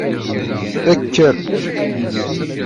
Ekker!